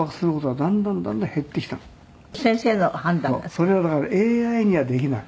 それはだからＡＩにはできない。